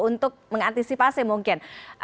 untuk mengantisipasi mungkin